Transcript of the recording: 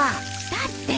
だって！